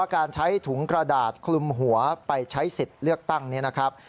กระดาษกลุ่มหัวไปใช้สิทธิ์เลือกตั้งนี้นะครับ